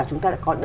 chúng ta đã có